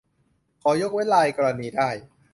ขอยกเว้นรายกรณีได้